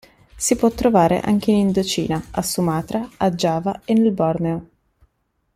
Si può trovare anche in Indocina, a Sumatra, a Giava e nel Borneo.